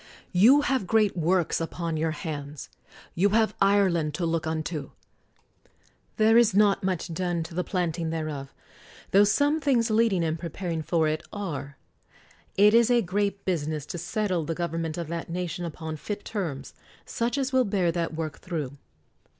You have great works upon your hands. You have Ireland to look unto. There is not much done to the planting thereof, tho some things leading and preparing for it are. It is a great business to settle the government of that nation upon fit terms, such as will bear that work through.